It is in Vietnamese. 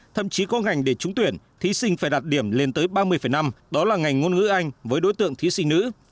thậm chí có ngành để trúng tuyển thí sinh phải đạt điểm lên tới ba mươi năm đó là ngành ngôn ngữ anh với đối tượng thí sinh nữ